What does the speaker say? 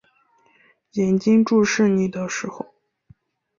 眼睛注视你的时候